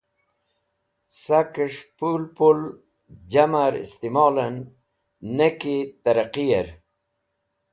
Skaes̃h pũl pũl jamar istimolẽn, ne ki tẽrẽqir